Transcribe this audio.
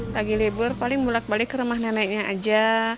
lagi libur paling mulak balik ke rumah neneknya aja